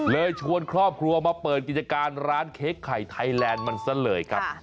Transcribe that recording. ชวนครอบครัวมาเปิดกิจการร้านเค้กไข่ไทยแลนด์มันซะเลยครับ